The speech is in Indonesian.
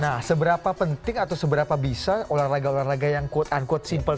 nah seberapa penting atau seberapa bisa olahraga olahraga yang quote unquote simple